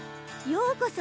ようこそ